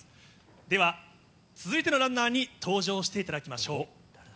では、続いてのランナーに登場していただきましょう。